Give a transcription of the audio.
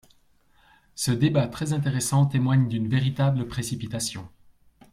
Ce débat très intéressant témoigne d’une véritable précipitation.